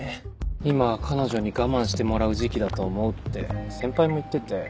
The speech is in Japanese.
「今は彼女に我慢してもらう時期だと思う」って先輩も言ってて。